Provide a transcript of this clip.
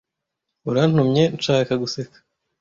Urantumye nshaka guseka.